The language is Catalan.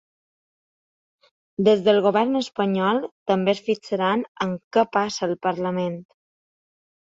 Des del govern espanyol també es fixaran en què passa al parlament.